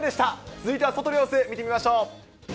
続いては外の様子、見てみましょう。